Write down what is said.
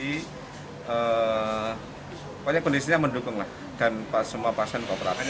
pokoknya kondisinya mendukung lah dan semua pasien kooperatif